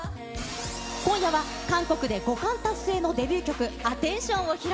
今夜は韓国で５冠達成のデビュー曲、Ａｔｔｅｎｔｉｏｎを披露。